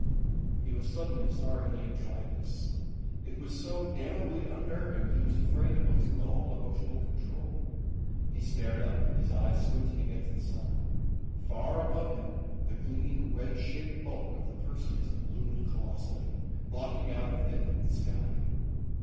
He was suddenly sorry he had tried this. It was so damnably unnerving he was afraid of losing all emotional control. He stared up, his eyes squinting against the sun. Far above him the gleaming, wedge shaped bulk of the Perseus loomed colossally, blocking out a fifth of the sky.